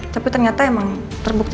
tapi ternyata emang terbukti